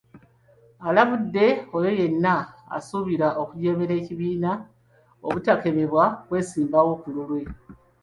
Alabudde oyo yenna asuubira okujeemera ekibiina obutakemebwa kwesimbawo ku lulwe.